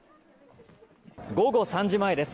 午後３時前です。